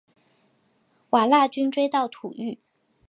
瓦剌军追到土域。